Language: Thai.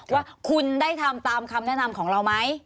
ว่าคุณได้ทำตามคำแนะนำของเราไหม